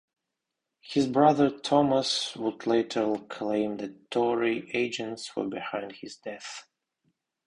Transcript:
His brother Thomas would later claim that Tory agents were behind his death.